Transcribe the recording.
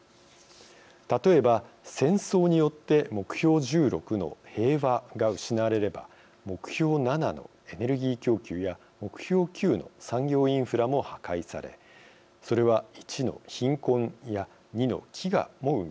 例えば戦争によって目標１６の「平和」が失われれば目標７の「エネルギー供給」や目標９の「産業インフラ」も破壊されそれは１の「貧困」や２の「飢餓」も生み出します。